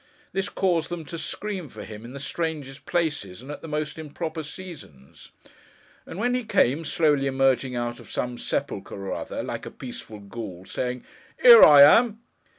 This caused them to scream for him, in the strangest places, and at the most improper seasons. And when he came, slowly emerging out of some sepulchre or other, like a peaceful Ghoule, saying 'Here I am!